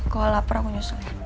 kalau lapar aku nyusul ya